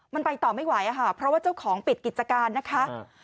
มันไปต่อไม่ไหวค่ะเพราะว่าเจ้าของปิดกิจการนะคะ